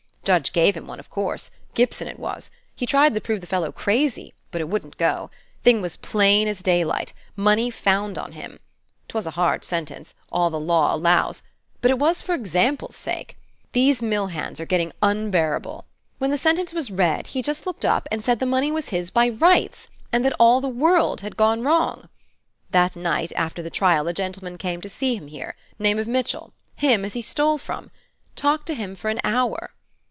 Judge gave him one, of course. Gibson it Was. He tried to prove the fellow crazy; but it wouldn't go. Thing was plain as daylight: money found on him. 'T was a hard sentence, all the law allows; but it was for 'xample's sake. These mill hands are gettin' onbearable. When the sentence was read, he just looked up, and said the money was his by rights, and that all the world had gone wrong. That night, after the trial, a gentleman came to see him here, name of Mitchell, him as he stole from. Talked to him for an hour.